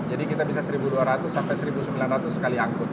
jadi kita bisa satu dua ratus sampai satu sembilan ratus sekali angkut